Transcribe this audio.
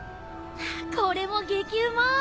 これも激うま！